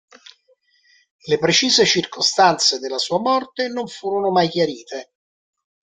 Le precise circostanze della sua morte non furono mai chiarite.